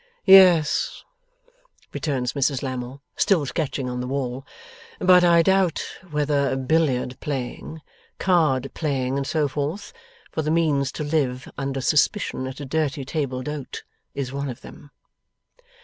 'Yes,' returns Mrs Lammle, still sketching on the wall; 'but I doubt whether billiard playing, card playing, and so forth, for the means to live under suspicion at a dirty table d'hote, is one of them.